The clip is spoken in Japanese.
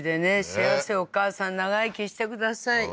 幸せお母さん長生きしてください